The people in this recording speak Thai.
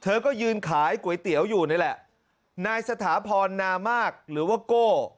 เธอก็ยืนขายก๋วยเตี๋ยวอยู่นี่แหละนายสถาพรนามากหรือว่าโก้